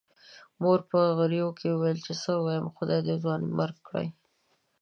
مور په غريو کې وويل چې څه ووايم، خدای دې ځوانيمرګ کړي.